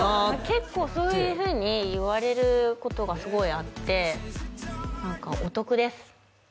結構そういうふうにいわれることがすごいあって何かお得です